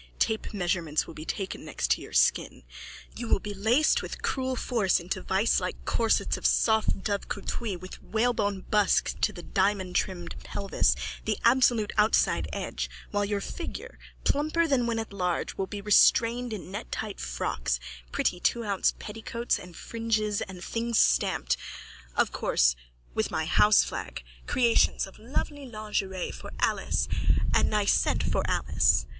Tape measurements will be taken next your skin. You will be laced with cruel force into vicelike corsets of soft dove coutille with whalebone busk to the diamondtrimmed pelvis, the absolute outside edge, while your figure, plumper than when at large, will be restrained in nettight frocks, pretty two ounce petticoats and fringes and things stamped, of course, with my houseflag, creations of lovely lingerie for Alice and nice scent for Alice.